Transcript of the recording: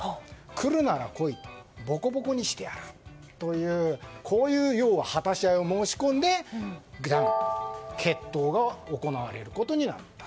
来るなら来いボコボコにしてやるというようは果し合いを申し込んで決闘が行われることになった。